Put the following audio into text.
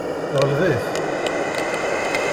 Ɣleb-it!